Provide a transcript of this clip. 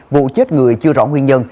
vụ chết người chưa rõ nguyên nhân